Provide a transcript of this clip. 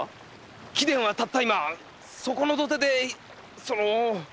貴殿はたった今そこの土手でその。